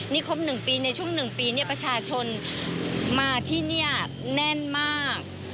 นี่ครบ๑ปีในช่วง๑ปีเนี่ยประชาชนมาที่นี่แน่นมาก